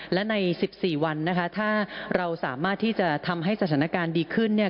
และใน๑๔วันนะคะถ้าเราสามารถที่จะทำให้สถานการณ์ดีขึ้นเนี่ย